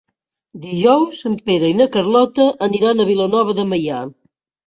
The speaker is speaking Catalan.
Dijous en Pere i na Carlota aniran a Vilanova de Meià.